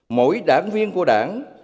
mỗi đảng viên của đảng